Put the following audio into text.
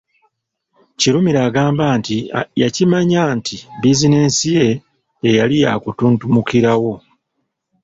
Kirumira agamba nti yakimanya nti bizinensi ye teyali ya kutuntumukirawo.